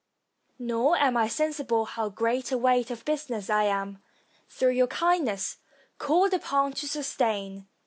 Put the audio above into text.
Nor am I sensible how great a weight of business I am, through your kindness, called upon to sustain.